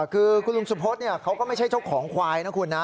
คือคุณลุงสุพธเขาก็ไม่ใช่เจ้าของควายนะคุณนะ